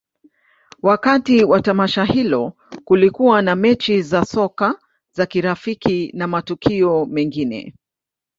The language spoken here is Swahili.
Wakati wa tamasha hilo, kulikuwa na mechi za soka za kirafiki na matukio mengine.